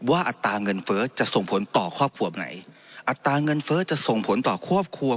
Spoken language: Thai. ว่าอัตราเงินเฟิร์สจะส่งผลต่อควบควบไหนอัตราเงินเฟิร์สจะส่งผลต่อควบควบ